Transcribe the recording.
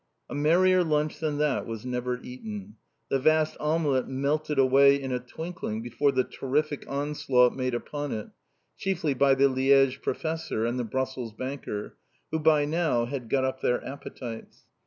A merrier lunch than that was never eaten. The vast omelette melted away in a twinkling before the terrific onslaught made upon it, chiefly by the Liège professor and the Brussels banker, who by now had got up their appetites.